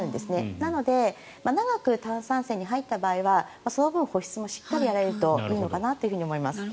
なので長く炭酸泉に入った場合はその分保湿もやられるといいのかなと思います。